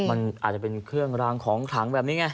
มันอาจจะเป็นเครื่องรางของขลังแบบนี้ไง